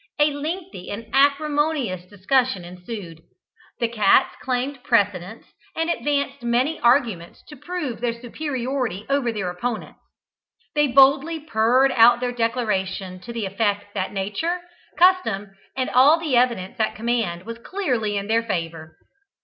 A lengthy and acrimonious discussion ensued. The cats claimed precedence, and advanced many arguments to prove their superiority over their opponents. They boldly purred out their declaration to the effect that nature, custom, and all the evidence at command was clearly in their favour.